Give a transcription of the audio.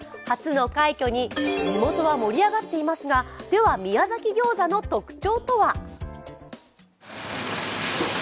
初の快挙に地元は盛り上がっていますが、では宮崎ギョーザの特徴とは？